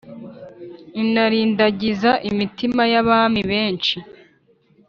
inarindagiza imitima y’abami benshi